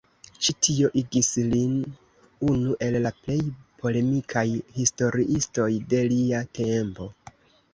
Ĉi tio igis lin unu el la plej polemikaj historiistoj de lia tempo.